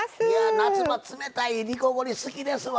夏は冷たい煮こごり好きですわ。